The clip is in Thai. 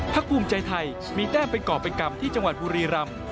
ภูมิใจไทยมีแต้มเป็นก่อเป็นกรรมที่จังหวัดบุรีรำ